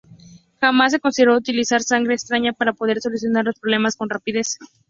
Jamás se consideró utilizar sangre extraña para poder solucionar los problemas con rapidez.